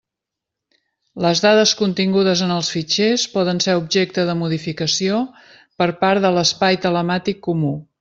Les dades contingudes en els fitxers poden ser objecte de modificació per part de l'Espai Telemàtic Comú.